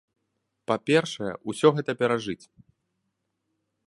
Па-першае, усё гэта перажыць.